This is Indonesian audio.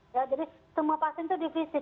jadi semua pasien itu divisi